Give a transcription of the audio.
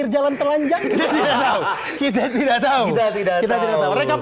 seru mem quantum internet sekali select